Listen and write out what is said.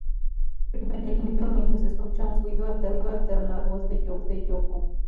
El primer minuto, donde se escucha un ruido alternado con la voz de Yoko.